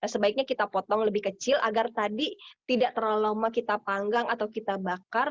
sebaiknya kita potong lebih kecil agar tadi tidak terlalu lama kita panggang atau kita bakar